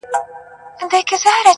پر وړو لویو خبرو نه جوړېږي.!